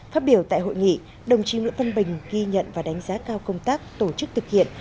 phát biểu tại hội nghị đồng chí nguyễn văn bình ghi nhận và đánh giá cao công tác tổ chức thực hiện